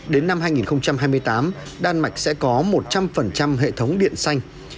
đến năm hai nghìn hai mươi tám đan mạch sẽ có một trăm linh hệ thống điện xanh